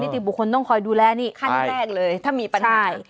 ติบุคคลต้องคอยดูแลนี่ขั้นแรกเลยถ้ามีปัญหา